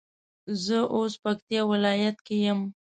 زه اوس پکتيا ولايت کي يم